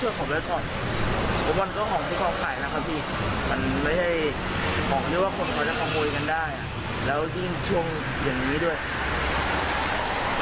อุบันก็ของทุกของไข่นะครับพี่มันไม่ใช่ของที่ว่าคนเขาจะขโมยกันได้แล้วที่ช่วงเดือนนี้ด้วย